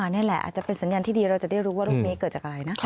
นี่แหละอาจจะเป็นสัญญาณที่ดีเราจะได้รู้ว่าโรคนี้เกิดจากอะไรนะ